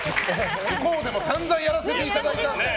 向こうでもさんざんやらせていただいたんですよ。